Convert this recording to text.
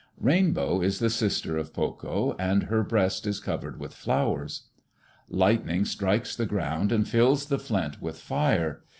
Rainbow is the sister of Pokoh, and her breast is covered with flowers. Lightning strikes the ground and fills the flint with fire.